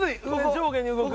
上下に動く。